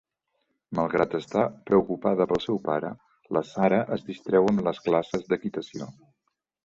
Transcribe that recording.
Malgrat estar preocupada pel seu pare, la Sara es distreu amb les classes d'equitació.